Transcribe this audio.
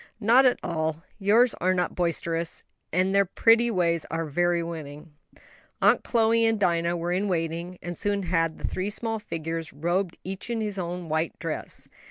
"Not at all; yours are not boisterous, and their pretty ways are very winning." Aunt Chloe and Dinah were in waiting, and soon had the three small figures robed each in its white night dress.